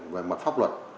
về mặt pháp luật